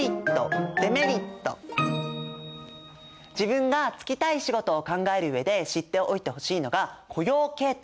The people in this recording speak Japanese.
自分が就きたい仕事を考えるうえで知っておいてほしいのが雇用形態です。